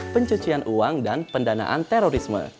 pencucian uang dan pendanaan terorisme